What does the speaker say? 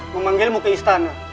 memanggilmu ke istana